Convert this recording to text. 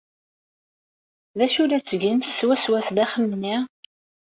D acu la ttgent swaswa sdaxel-nni?